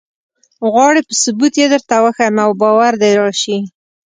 غواړې په ثبوت یې درته وښیم او باور دې راشي.